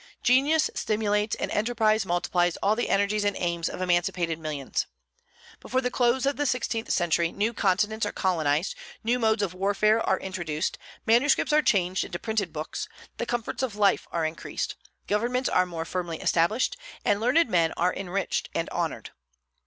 Genius stimulates and enterprise multiplies all the energies and aims of emancipated millions. Before the close of the sixteenth century new continents are colonized, new modes of warfare are introduced, manuscripts are changed into printed books, the comforts of life are increased, governments are more firmly established, and learned men are enriched and honored.